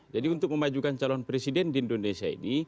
jadi untuk memajukan calon presiden di indonesia ini